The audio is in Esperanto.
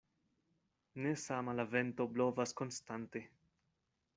Ne sama la vento blovas konstante.